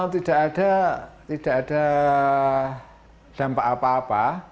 tidak ada dampak apa apa